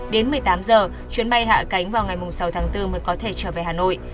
đến một mươi tám giờ chuyến bay hạ cánh vào ngày sáu tháng bốn mới có thể trở về hà nội